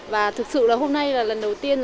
và thực sự là hôm nay là lần đầu tiên